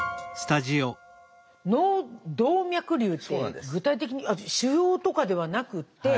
脳動脈瘤って具体的に腫瘍とかではなくって？